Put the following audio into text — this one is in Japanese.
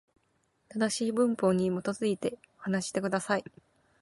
正しい文法に基づいて、話してください。